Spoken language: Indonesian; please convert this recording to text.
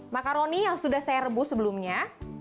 makaroni yang sudah saya rebus sebelumnya